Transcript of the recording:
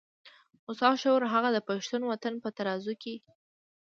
خو ستا شعور هغه د پښتون وطن په ترازو کې.